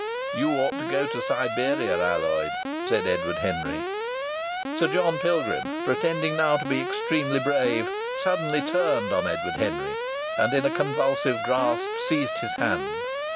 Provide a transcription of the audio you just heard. "You ought to go to Siberia, Alloyd," said Edward Henry. Sir John Pilgrim, pretending now to be extremely brave, suddenly turned on Edward Henry and in a convulsive grasp seized his hand.